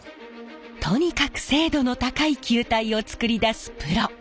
とにかく精度の高い球体を作り出すプロ。